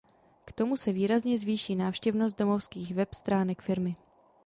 K tomu se výrazně zvýší návštěvnost domovských web stránek firmy.